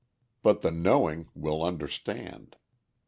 But the knowing will understand.